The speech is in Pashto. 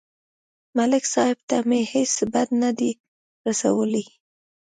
ملک صاحب ته مې هېڅ بد نه دي رسولي